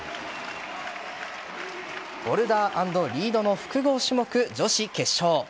ボルダー＆リードの複合種目女子決勝。